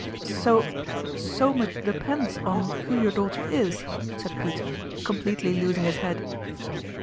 " So so much depends on who your daugh ter is !" said Peter, completely losing his head.